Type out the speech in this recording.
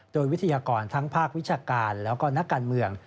โดยวิทยากรทั้งภาควิชาการแล้วก็นักการเมือง